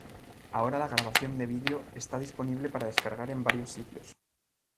Ahora la grabación de video está disponible para descargar en varios sitios.